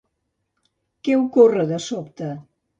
Què ocorre de sobte?